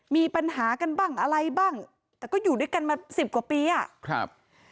มีปัญหากันบ้างอะไรบ้างแต่ก็อยู่ด้วยกันมาสิบกว่าปีอ่ะครับ